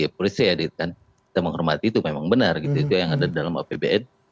kita menghormati itu memang benar itu yang ada dalam apbn